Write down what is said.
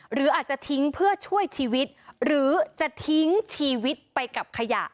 หรืออาจจะทิ้งเพื่อช่วยชีวิตหรือจะทิ้งชีวิตไปกับขยะ